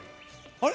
あれ？